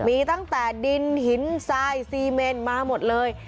มีตั้งแต่ดินหินทรายซีเมนมาหมดเลย